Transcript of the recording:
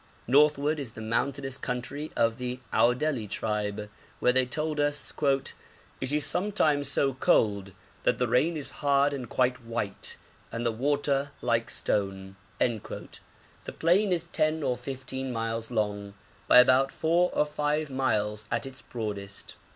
Northward is the mountainous country of the Aòdeli tribe, where they told us 'it is sometimes so cold that the rain is hard and quite white, and the water like stone.' The plain is ten or fifteen miles long, by about four or five miles at its broadest.